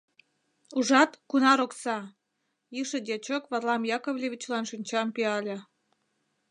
— Ужат, кунар окса! — йӱшӧ дьячок Варлам Яковлевичлан шинчам пӱяле.